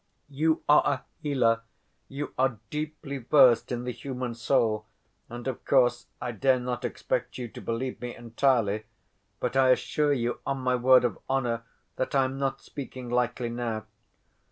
You are a healer, you are deeply versed in the human soul, and of course I dare not expect you to believe me entirely, but I assure you on my word of honor that I am not speaking lightly now.